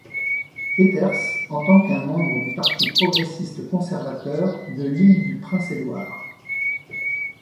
Peters en tant qu'un membre du Parti progressiste-conservateur de l'Île-du-Prince-Édouard.